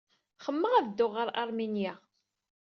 Xemmemeɣ ad dduɣ ɣer Aṛminya.